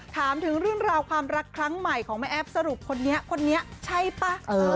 ถามถึงเรื่องราวความรักครั้งใหม่ของแม่แอฟสรุปคนนี้คนนี้ใช่ป่ะ